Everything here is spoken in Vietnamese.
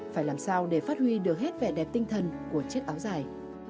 phải làm sao để phát huy được hết vẻ đẹp tinh thần của chiếc áo dài